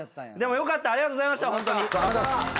でもよかったありがとうございましたホントに。